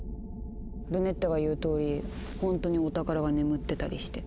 ルネッタが言うとおりほんとにお宝が眠ってたりして。